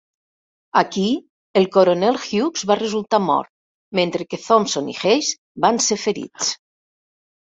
Aquí, el Coronel Hughes va resultar mort, mentre que Thompson i Hays van ser ferits.